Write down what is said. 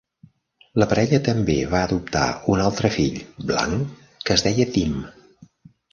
La parella també va adoptar un altre fill, blanc, que es deia Tim.